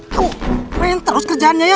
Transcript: aduh main terus kerjaannya ya